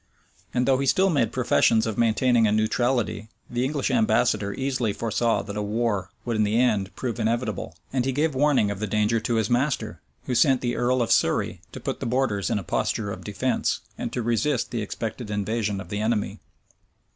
And though he still made professions of maintaining a neutrality, the English ambassador easily foresaw that a war would in the end prove inevitable; and he gave warning of the danger to his master, who sent the earl of Surrey to put the borders in a posture of defence, and to resist the expected invasion of the enemy.